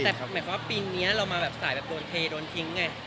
แต่หมายความว่าปีนี้เรามาแบบสายแบบโดนเทโดนทิ้งไง